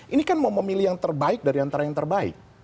ini kan mau memilih yang terbaik dari antara yang terbaik